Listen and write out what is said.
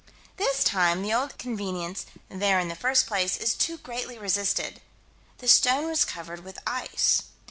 This time the old convenience "there in the first place" is too greatly resisted the stone was covered with ice.